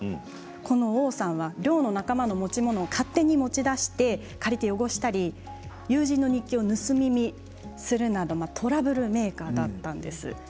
Ｏさんは寮の仲間の持ち物勝手に持ち出して借りて汚したり友人の日記を盗み見するなどトラブルメーカーだったんです。